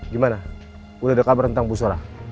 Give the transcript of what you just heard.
gimana udah ada kabar tentang busolah